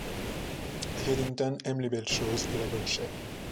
Reddington aime les belles choses et la bonne chair.